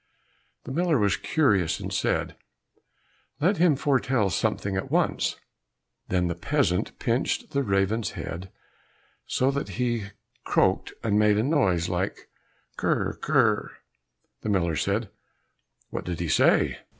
The miller was curious, and said, "Let him foretell something for once." Then the peasant pinched the raven's head, so that he croaked and made a noise like krr, krr. The miller said, "What did he say?"